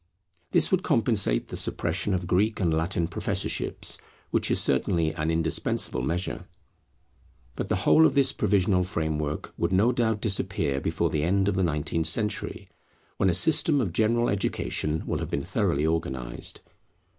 This would compensate the suppression of Greek and Latin professorships, which is certainly an indispensable measure. But the whole of this provisional framework would no doubt disappear before the end of the nineteenth century, when a system of general education will have been thoroughly organized.